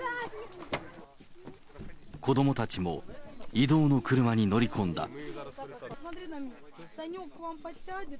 子どもたちも移動の車に乗り込んだ。